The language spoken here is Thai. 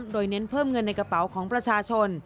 โดยเน้นเพิ่มเงินในกระเป๋าของประชาชน